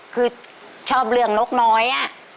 คือชอบเรื่องนกน้อย